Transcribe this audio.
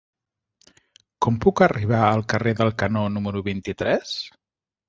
Com puc arribar al carrer del Canó número vint-i-tres?